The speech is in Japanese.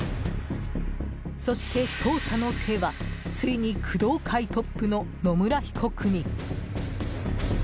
そして、捜査の手はついに工藤会トップの野村被告に。